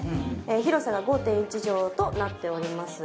広さが５．１畳となっています。